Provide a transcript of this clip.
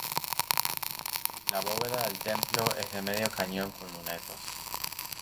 La bóveda del templo es de medio cañón con lunetos.